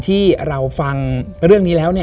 ที่เราฟังเรื่องนี้แล้ว